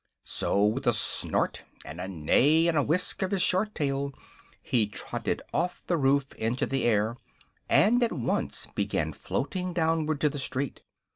So, with a snort and a neigh and a whisk of his short tail he trotted off the roof into the air and at once began floating downward to the street.